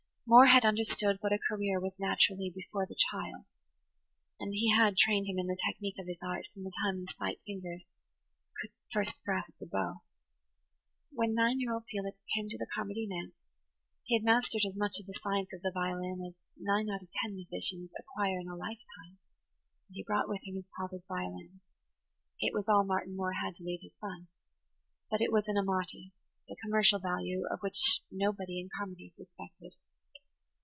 Moore had understood what a career was naturally before the child, and he had [Page 95] trained him in the technique of his art from the time the slight fingers could first grasp the bow. When nine year old Felix came to the Carmody manse he had mastered as much of the science of the violin as nine out of ten musicians acquire in a lifetime; and he brought with him his father's violin; it was all Martin Moore had to leave his son–but it was an Amati, the commercial value of which nobody in Carmody suspected.